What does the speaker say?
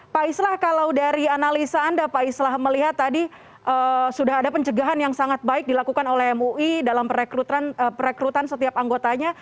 pak islah kalau dari analisa anda pak islah melihat tadi sudah ada pencegahan yang sangat baik dilakukan oleh mui dalam perekrutan setiap anggotanya